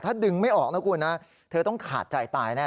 ถ้าดึงไม่ออกนะคุณนะเธอต้องขาดใจตายแน่